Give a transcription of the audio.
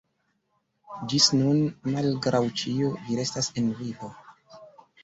Ĝis nun, malgraŭ ĉio, vi restas en vivo.